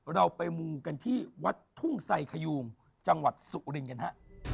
เราไปมูกันที่วัดทุ่งไซคยูมจังหวัดสุรินทร์กันฮะ